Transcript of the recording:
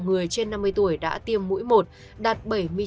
người trên năm mươi tuổi đã tiêm mũi một đạt bảy mươi chín một